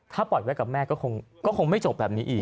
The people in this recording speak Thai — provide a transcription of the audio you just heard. ถ้าปล่อยไว้กับแม่ก็คงไม่จบแบบนี้อีก